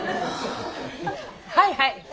はいはい。